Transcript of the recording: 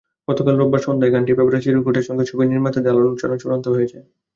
গতকাল রোববার সন্ধ্যায় গানটির ব্যাপারে চিরকুটের সঙ্গে ছবির নির্মাতাদের আলোচনা চূড়ান্ত হয়েছে।